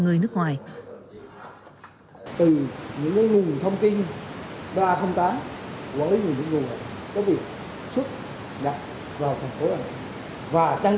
ở nước ngoài từ những nguồn thông tin ba trăm linh tám với những nguồn có việc xuất đặt vào thành phố đà nẵng và trang